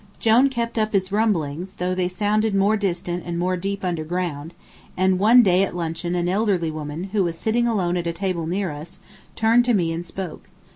Jone kept up his rumblings, though they sounded more distant and more deep under ground, and one day at luncheon an elderly woman, who was sitting alone at a table near us, turned to me and spoke.